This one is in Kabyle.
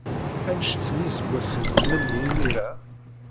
Anect n yiseggasen n memmi imir-a?